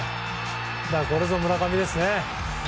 これぞ村上ですね。